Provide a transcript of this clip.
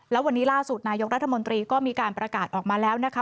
แล้ววันนี้ล่าสุดนายกรัฐมนตรีก็มีการประกาศออกมาแล้วนะคะ